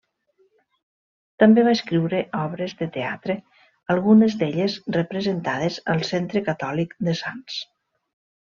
També va escriure obres de teatre, algunes d'elles representades al Centre Catòlic de Sants.